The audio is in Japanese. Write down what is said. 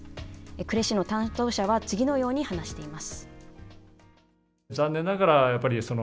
呉市の担当者は次のように話しています。